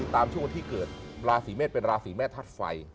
ช่วงที่เกิดราศีเมษเป็นราศีแม่ทัศน์ไฟ